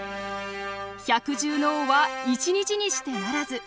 百獣の王は一日にしてならず。